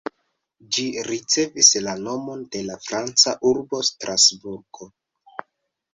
Ĝi ricevis la nomon de la franca urbo Strasburgo.